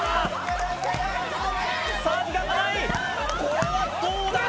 これはどうだ？